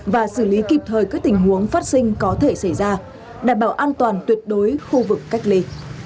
và xử lý kịp thời các tình huống phát sinh có thể xảy ra đảm bảo an toàn tuyệt đối khu vực cách ly